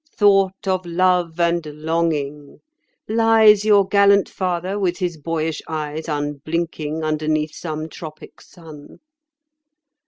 Thought of Love and Longing: lies your gallant father with his boyish eyes unblinking underneath some tropic sun?